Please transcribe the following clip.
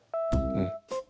うん。